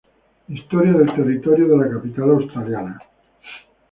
Historia del Territorio de la Capital Australiana